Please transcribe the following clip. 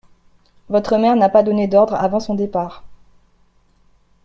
Votre mère n'a pas donné d'ordres avant son départ.